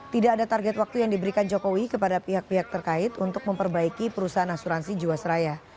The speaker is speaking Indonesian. tidak ada target waktu yang diberikan jokowi kepada pihak pihak terkait untuk memperbaiki perusahaan asuransi jiwasraya